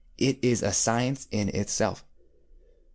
It is a science in itself.